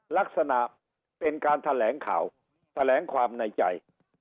ลักษณะเป็นการแถลงข่าวแถลงความในใจ